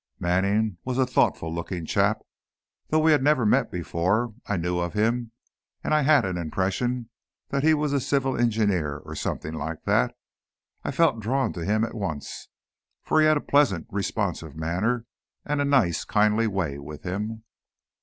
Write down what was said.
Manning was a thoughtful looking chap. Though we had never met before, I knew of him and I had an impression that he was a civil engineer or something like that. I felt drawn to him at once, for he had a pleasant, responsive manner and a nice, kindly way with him.